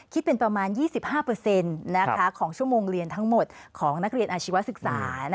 คิดเป็นประมาณ๒๕ของชั่วโมงเรียนทั้งหมดของนักเรียนอาชีวศึกษา